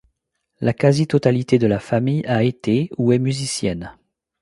La quasi-totalité de la famille a été ou est musicienne.